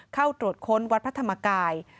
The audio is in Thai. เข้าตรวจค้นวัดพระธรรมกาย